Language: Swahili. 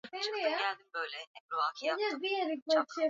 Wizara hizo ni Fedha Ulinzi na Mambo ya Nje